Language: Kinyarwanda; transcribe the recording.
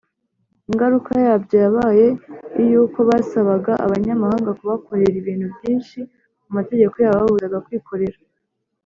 . Ingaruka yabyo yabaye iy’uko basabaga Abanyamahanga kubakorera ibintu byinshi amategeko yabo yababuzaga kwikorera